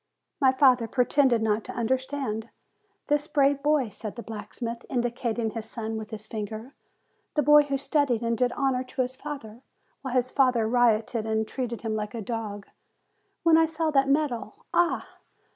My father pretended not to understand. 'This brave boy," said the blacksmith, indicating his son with his finger; "the boy who studied and did honor to his father, while his father rioted, and treated him like a dog. When I saw that medal Ah!